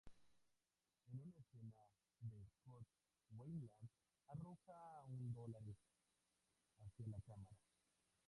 En una escena de Scott Weiland arroja un dólares hacia la cámara.